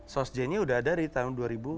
sosj nya udah ada dari tahun dua ribu sepuluh